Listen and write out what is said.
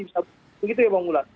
begitu ya bang gulat